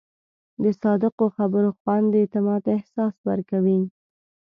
د صادقو خبرو خوند د اعتماد احساس ورکوي.